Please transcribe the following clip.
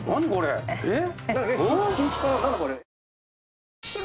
えっ？